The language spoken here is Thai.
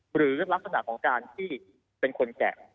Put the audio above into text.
หรือลักษณะของการที่เป็นคนแกะ